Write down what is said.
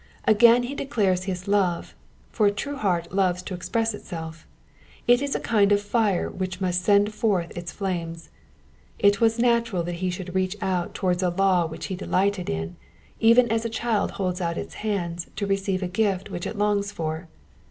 Again he declares his love ; for a true heart loves to express itself ; it is a kind of fire which must send forth its flames. It was natural that he should reach out towards a law which he delighted in, even as a child holds out its hands to receive a gift which it longs for.